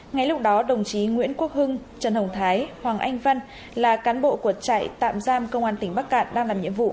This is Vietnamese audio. ngay lúc đó đồng chí nguyễn quốc hưng trần hồng thái hoàng anh vân là cán bộ của trại tạm giam công an tỉnh bắc cạn đang làm nhiệm vụ